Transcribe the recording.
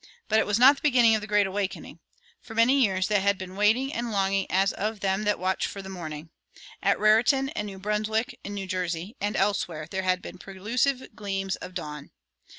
But it was not the beginning of the Great Awakening. For many years there had been waiting and longing as of them that watch for the morning. At Raritan and New Brunswick, in New Jersey, and elsewhere, there had been prelusive gleams of dawn.